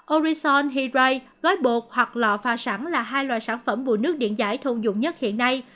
orison hydray gói bột hoặc lọ pha sẵn là hai loại sản phẩm bùa nước điện giải thông dụng nhất hiện nay